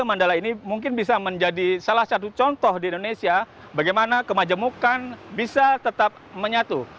mandala ini mungkin bisa menjadi salah satu contoh di indonesia bagaimana kemajemukan bisa tetap menyatu